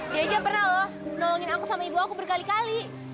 dia aja pernah loh nolongin aku sama ibu aku berkali kali